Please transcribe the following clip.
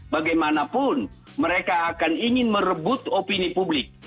bagaimanapun mereka akan ingin merebut opini publik